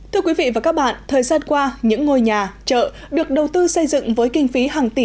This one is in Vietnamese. thưa quý vị và các bạn thời gian qua những ngôi nhà chợ được đầu tư xây dựng với kinh phí hàng tỷ